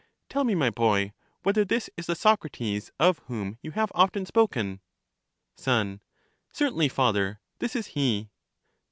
Tell me, my boy, whether this is the Socrates of whom you have often spoken? Son, Certainly, father, this is he.